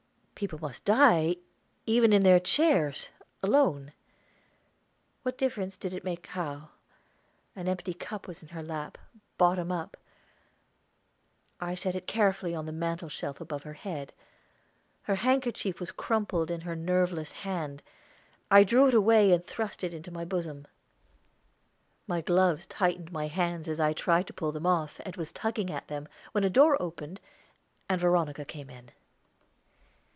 People must die, even in their chairs, alone! What difference did it make, how? An empty cup was in her lap, bottom up; I set it carefully on the mantel shelf above her head. Her handkerchief was crumpled in her nerveless hand; I drew it away and thrust it into my bosom. My gloves tightened my hands as I tried to pull them off, and was tugging at them, when a door opened, and Veronica came in.